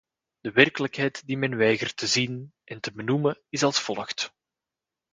De werkelijkheid die men weigert te zien en te benoemen is als volgt.